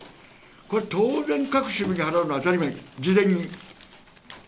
当然、各支部に払うのは当たり前、事前に。